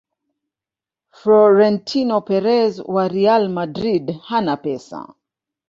frorentino perez wa real madrid hana pesa